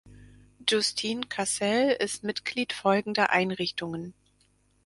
Justine Cassell ist Mitglied folgender Einrichtungen